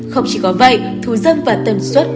không chỉ có vậy thù dâm và tầm xuất